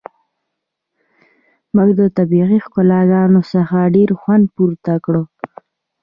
موږ له طبیعي ښکلاګانو څخه ډیر خوند پورته کړ